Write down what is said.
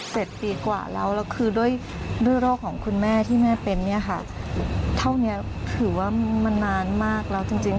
ปีกว่าแล้วแล้วคือด้วยด้วยโรคของคุณแม่ที่แม่เป็นเนี่ยค่ะเท่านี้ถือว่ามันนานมากแล้วจริงจริง